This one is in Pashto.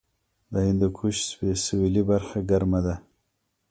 د هندوکش سویلي برخه ګرمه ده